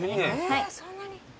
えそんなに？